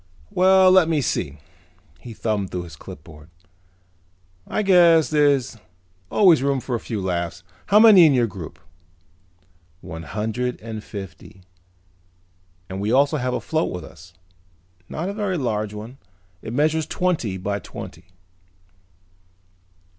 Well, let me see," he thumbed through the clipboard, "I guess there's always room for a few laughs. How many in your group?" "One hundred and fifty. And we also have a float with us. Not a very large one. It measures twenty by twenty."